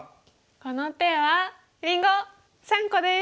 この手はりんご３個です！